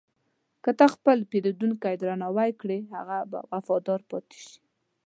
که ته خپل پیرودونکی درناوی کړې، هغه به وفادار پاتې شي.